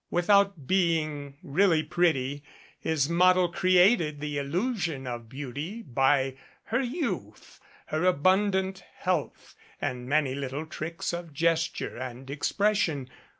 With out being really pretty, his model created the illusion of beauty by her youth, her abundant health and many little tricks of gesture and expression.